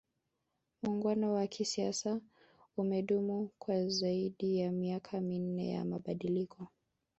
muungano wa kisiasa umedumu kwa zaidi ya miaka minne ya mabadiliko